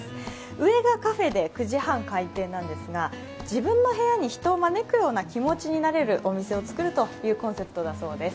上がカフェで９時半開店なんですが自分の部屋に人を招くような気持ちになれるというコンセプトだそうです。